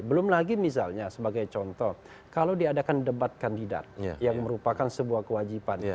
belum lagi misalnya sebagai contoh kalau diadakan debat kandidat yang merupakan sebuah kewajiban